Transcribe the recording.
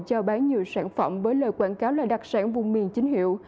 cho bán nhiều sản phẩm với lời quảng cáo là đặc sản vùng miền chính hiệu